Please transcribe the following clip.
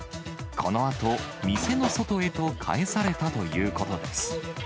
このあと、店の外へと帰されたということです。